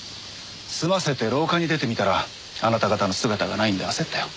済ませて廊下に出てみたらあなた方の姿がないんで焦ったよ。